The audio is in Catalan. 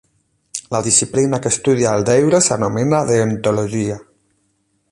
La disciplina que estudia el deure s'anomena deontologia.